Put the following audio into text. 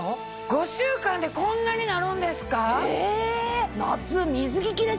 ５週間でこんなになるんですか？